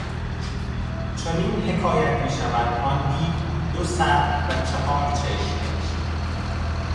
چنین حکایت میشود آن دیو دو سر و چهار چشم داشت.